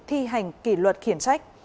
thi hành kỷ luật khiển trách